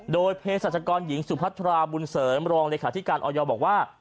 โดยเพศรัชกรหญิงสุพัทราบุญเสริมรองเลขาธิการออยบอกว่า